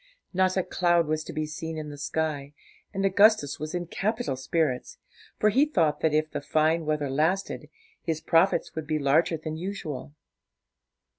Not a cloud was to be seen in the sky, and Augustus was in capital spirits, for he thought that if the fine weather lasted, his profits would be larger than usual.